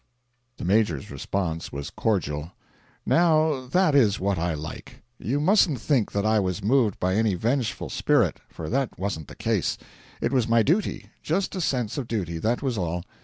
The Major's response was cordial: 'Now that is what I like! You mustn't think that I was moved by any vengeful spirit, for that wasn't the case. It was duty just a sense of duty, that was all.